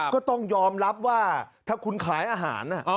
ก็ต้องยอมรับว่าถ้าคุณขายอาหาร